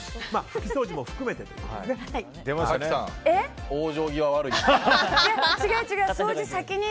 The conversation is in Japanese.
拭き掃除も含めてということですね。